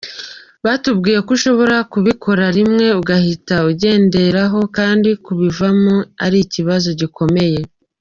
Batubwiye ko ushobora kubikora rimwe ugahita ugenderako kandi kubivaho ari ikibazo gikomeye.